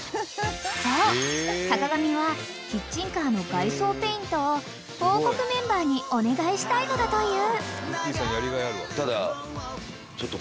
［そう坂上はキッチンカーの外装ペイントを王国メンバーにお願いしたいのだという］